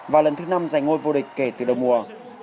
và lần thứ năm giành ngôi vô địch kể từ đầu mùa